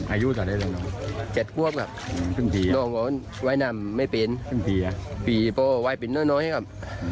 อายุเจ็ดครับว่ายนำไม่เป็นปีพอวายเป็นน้อยครับ